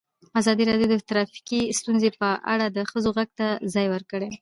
ازادي راډیو د ټرافیکي ستونزې په اړه د ښځو غږ ته ځای ورکړی.